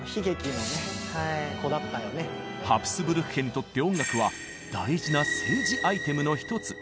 ハプスブルク家にとって音楽は大事な政治アイテムの一つ。